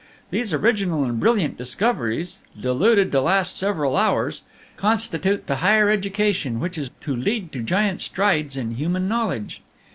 These original and brilliant discoveries, diluted to last several hours, constitute the higher education which is to lead to giant strides in human knowledge.